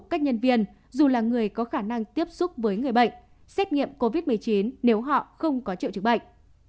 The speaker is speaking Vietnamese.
các nhân viên dù là người có khả năng tiếp xúc với người bệnh xét nghiệm covid một mươi chín nếu họ không có triệu chứng bệnh